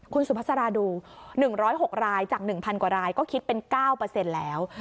คุณสุภาษาราดู๑๐๖รายจาก๑๐๐กว่ารายก็คิดเป็น๙แล้ว